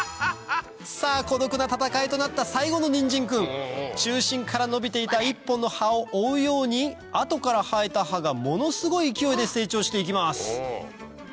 さぁ孤独な戦いとなった最後のニンジン君中心から伸びていた１本の葉を追うように後から生えた葉がものすごい勢いで成長して行きます